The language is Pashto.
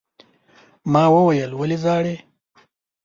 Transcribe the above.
ما وويل: ولې ژاړې؟